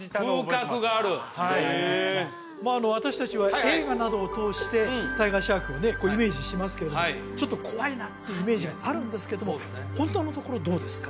風格があるはいまあ私達は映画などを通してタイガーシャークをねこうイメージしますけれどもちょっと怖いなっていうイメージがあるんですけどもホントのところどうですか？